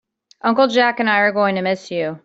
Uncle Jack and I are going to miss you.